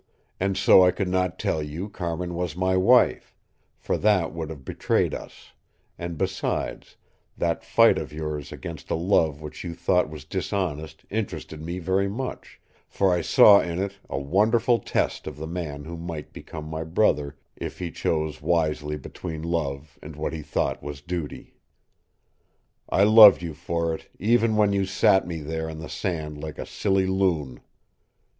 And so I could not tell you Carmin was my wife, for that would have betrayed us and besides that fight of yours against a love which you thought was dishonest interested me very much, for I saw in it a wonderful test of the man who might become my brother if he chose wisely between love and what he thought was duty. I loved you for it, even when you sat me there on the sand like a silly loon.